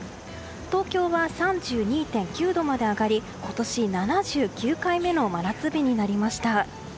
東京は３２．９度まで上がり今年７９回目の真夏日になりました。